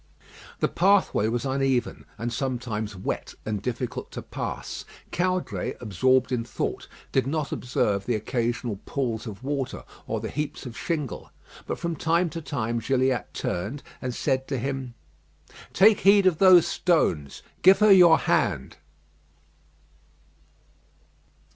The pathway was uneven, and sometimes wet and difficult to pass. Caudray, absorbed in thought, did not observe the occasional pools of water or the heaps of shingle. But from time to time Gilliatt turned and said to him, "Take heed of those stones. Give her your hand."